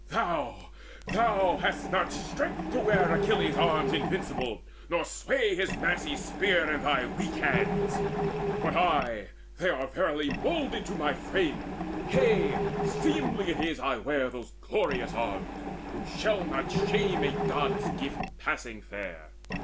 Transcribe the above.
Thou thou hast not strength To wear Achilles' arms invincible, Nor sway his massy spear in thy weak hands! But I they are verily moulded to my frame: Yea, seemly it is I wear those glorious arms, Who shall not shame a God's gifts passing fair.